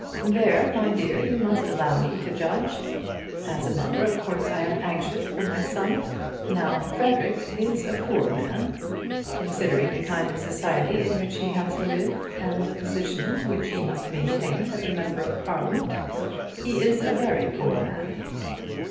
"There, my dear, you must allow me to judge. As a mother, of course I am anxious for my son. Now Frederic is a poor man. Considering the kind of society in which he has to live, and the position which he must maintain as a Member of Parliament, he is a very poor man."